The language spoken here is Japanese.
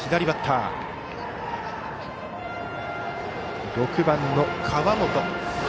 バッター、６番の川元。